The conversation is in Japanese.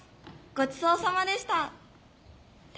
「ごちそうさまでした」